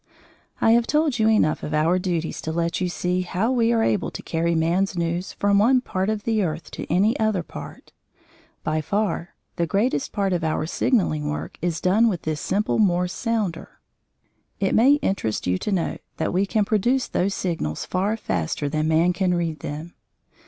I have told you enough of our duties to let you see how we are able to carry man's news from one part of the earth to any other part. By far the greatest part of our signalling work is done with this simple Morse sounder. It may interest you to note that we can produce those signals far faster than man can read them.